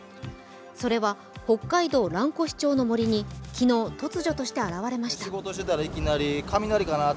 それは北海道蘭越町の森に昨日、突如として現れました。